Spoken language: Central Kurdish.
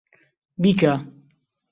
بیکە!